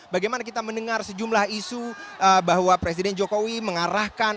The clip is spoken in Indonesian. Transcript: bagaimana kita mendengar sejumlah isu bahwa presiden jokowi mengarahkan